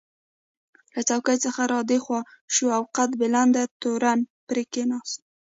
له څوکۍ څخه را دې خوا شو او قد بلنده تورن پرې کېناست.